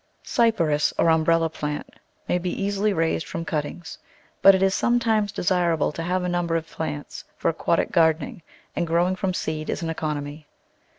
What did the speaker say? Cyperus, or Umbrella plant, may be easily raised from cuttings, but it is sometimes desirable to have a number of plants for aquatic gardening, and growing from seed is an economy.